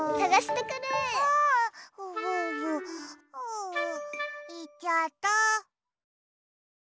あいっちゃった。